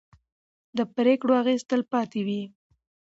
د پرېکړو اغېز تل پاتې وي